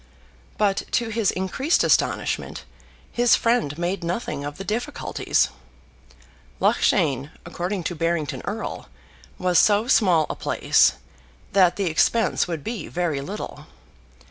But to his increased astonishment, his friend made nothing of the difficulties. Loughshane, according to Barrington Erle, was so small a place, that the expense would be very little.